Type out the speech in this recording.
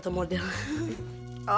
oh ini dia